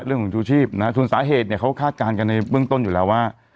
ชูชีพนะฮะส่วนสาเหตุเนี่ยเขาคาดการณ์กันในเบื้องต้นอยู่แล้วว่า